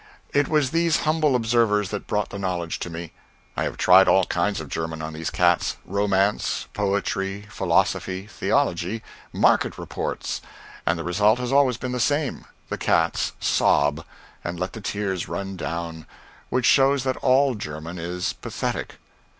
It was these humble observers that brought the knowledge to me. I have tried all kinds of German on these cats; romance, poetry, philosophy, theology, market reports; and the result has always been the same the cats sob, and let the tears run down, which shows that all German is pathetic.